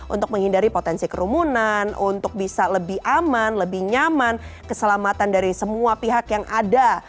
untuk menghindari potensi kerumunan untuk bisa lebih aman lebih nyaman keselamatan dari semua pihak yang ada